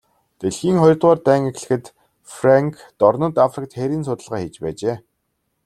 Дэлхийн хоёрдугаар дайн эхлэхэд Фрэнк дорнод Африкт хээрийн судалгаа хийж байжээ.